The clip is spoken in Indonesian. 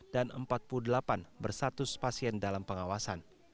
dan empat puluh delapan bersatus pasien dalam pengawasan